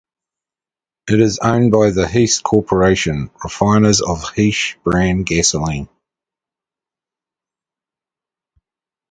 It is owned by the Hess Corporation, refiners of Hess brand gasoline.